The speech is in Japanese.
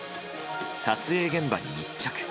撮影現場に密着。